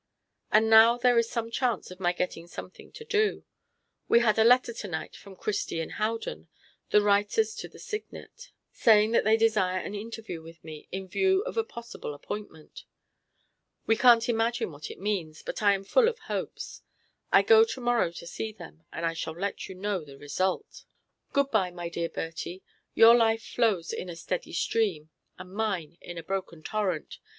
And now there is some chance of my getting something to do. We had a letter to night from Christie & Howden, the writers to the Signet, saying that they desire an interview with me, in view of a possible appointment. We can't imagine what it means, but I am full of hopes. I go to morrow morning to see them, and I shall let you know the result. Good bye, my dear Bertie! Your life flows in a steady stream, and mine in a broken torrent.